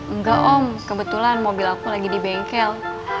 enggak om kebetulan mobil aku lagi di bengkel